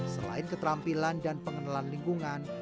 selain keterampilan dan pengenalan lingkungan